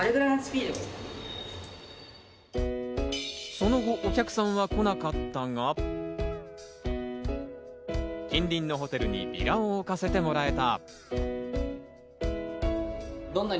その後、お客さんは来なかったが、近隣のホテルにビラを置かせてもらえた。